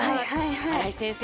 荒居先生